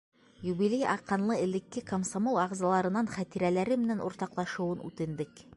Юбилей айҡанлы элекке комсомол ағзаларынан хәтирәләре менән уртаҡлашыуын үтендек.